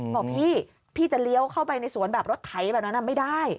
บอกพี่พี่จะเลี้ยวเข้าไปในสวนแบบรถไถแบบนั้นไม่ได้